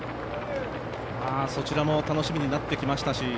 そちらも楽しみになってきましたし